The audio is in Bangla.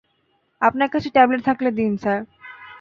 আপনার কাছে ট্যাবলেট থাকলে দিন, স্যার।